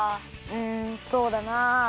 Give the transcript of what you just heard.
うんそうだな。